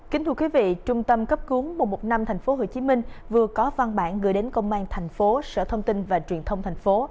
kính thưa quý vị trung tâm cấp cứu một trăm một mươi năm tp hcm vừa có văn bản gửi đến công an thành phố sở thông tin và truyền thông thành phố